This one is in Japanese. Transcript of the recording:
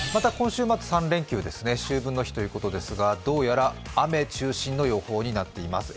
秋分の日ということですがどうやら雨中心の予報になっています。